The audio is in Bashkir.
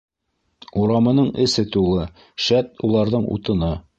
Урамының эсе тулы, шәт, уларҙың утыны.